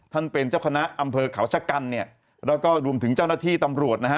ท่านเป็นเจ้าคณะอำเภอเขาชะกันเนี่ยแล้วก็รวมถึงเจ้าหน้าที่ตำรวจนะฮะ